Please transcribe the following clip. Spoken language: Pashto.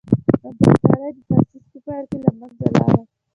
د امپراتورۍ د تاسیس په پایله کې له منځه لاړل.